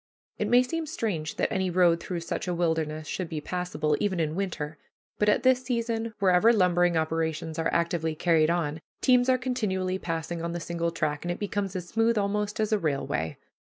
It may seem strange that any road through such a wilderness should be passable, even in winter, but at that season, wherever lumbering operations are actively carried on, teams are continually passing on the single track, and it becomes as smooth almost as a railway.